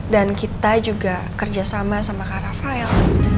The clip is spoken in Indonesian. dan kita juga kerja sama sama kak rafael